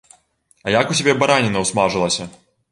А як у цябе бараніна ўсмажылася?